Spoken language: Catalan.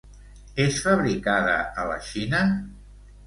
Es fabricada a la Xina?